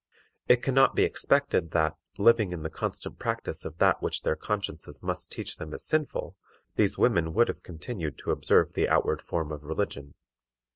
It can not be expected that, living in the constant practice of that which their consciences must teach them is sinful, these women would have continued to observe the outward form of religion.